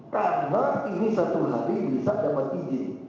karena ini satu hari bisa dapat izin